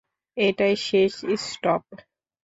এটাই শেষ স্টপ।